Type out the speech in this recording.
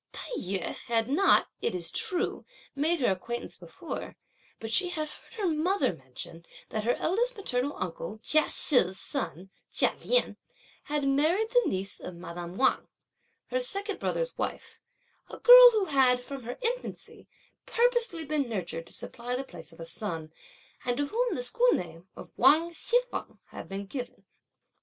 Tai yü had not, it is true, made her acquaintance before, but she had heard her mother mention that her eldest maternal uncle Chia She's son, Chia Lien, had married the niece of Madame Wang, her second brother's wife, a girl who had, from her infancy, purposely been nurtured to supply the place of a son, and to whom the school name of Wang Hsi feng had been given.